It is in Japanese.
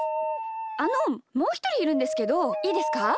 あのもうひとりいるんですけどいいですか？